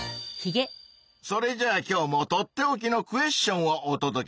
それじゃあ今日もとっておきの「クエッション」をおとどけしよう！